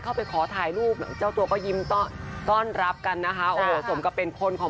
เข้าไปขอถ่ายรูปเจ้าตัวก็ยิ้มต้อนรับกันนะคะโอ้โหสมกับเป็นคนของ